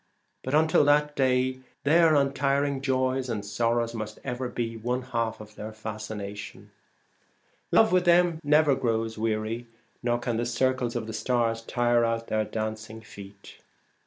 But until that day their un tiring joys and sorrows must ever be one half of their fascination. Love with them never grows weary, nor can the circles of the stars tire out their dancing feet.